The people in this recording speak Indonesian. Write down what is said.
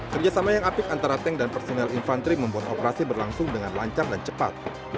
kerjasama yang apik antara tank dan personel infanteri membuat operasi berlangsung dengan lancar dan cepat